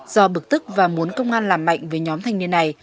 do bực tức và muốn công an làm mạnh với nhóm thanh niên này